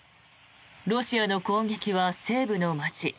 ロシアの攻撃は西部の街